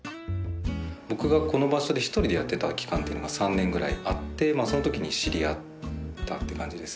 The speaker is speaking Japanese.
僕がこの場所で一人でやってた期間っていうのが３年ぐらいあってそのときに知り合ったって感じですね。